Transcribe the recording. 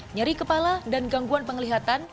nyeri kepala dan gangguan penglihatan